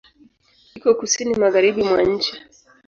Iko Kusini magharibi mwa nchi.